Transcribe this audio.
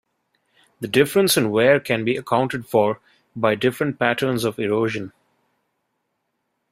The difference in wear can be accounted for by different patterns of erosion.